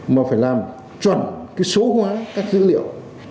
mà phải làm chuẩn số hóa các dữ liệu